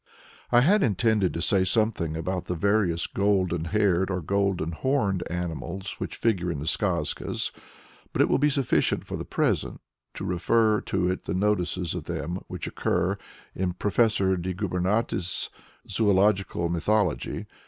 I had intended to say something about the various golden haired or golden horned animals which figure in the Skazkas, but it will be sufficient for the present to refer to the notices of them which occur in Prof. de Gubernatis's "Zoological Mythology."